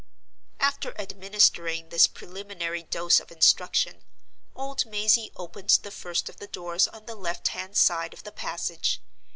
After administering this preliminary dose of instruction, old Mazey opened the first of the doors on the left hand side of the passage.